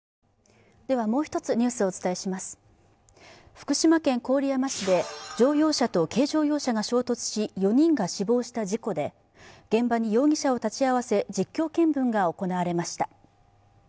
福島県郡山市で乗用車と軽乗用車が衝突し、４人が死亡した事故で現場に容疑者を立ち会わせ実況見分が行われました。